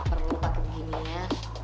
perlu pakai begini ya